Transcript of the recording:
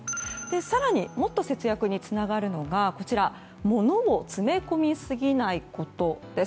更に、もっと節約につながるのがものを詰め込みすぎないことです。